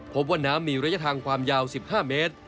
พบว่าน้ำมีระยะทางความยาว๑๕เมตร